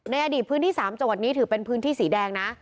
ในอดีตพื้นที่๓จังหวัดนี้ถือเป็นพื้นที่สีแดงนะ